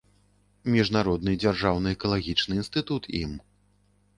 Міжнародны дзяржаўны экалагічны інстытут ім.